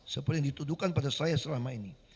seperti yang dituduhkan pada saya selama ini